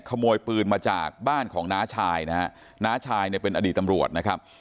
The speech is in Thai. ขโมยปืนมาจากบ้านของน้าชายนะฮะน้าชายเนี่ยเป็นอดีตตำรวจนะครับ